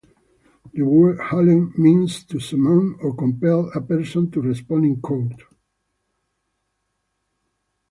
The word "haled" means to summon or compel a person to respond in court.